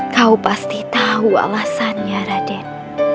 kau pasti tahu alasannya raden